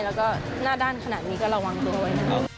แล้วก็นานด้านขนาดนี้ก็ระวังด้วย